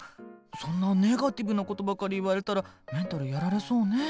そんなネガティブなことばかり言われたらメンタルやられそうねえ。